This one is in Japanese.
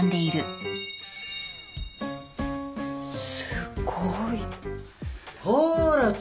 すごい。ほら知博。